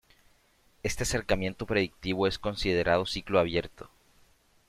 Este acercamiento predictivo es considerado ciclo abierto.